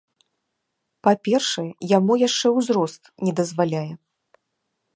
Па-першае, яму яшчэ узрост не дазваляе.